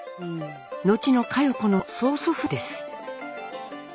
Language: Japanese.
後の佳代子の曽祖父です。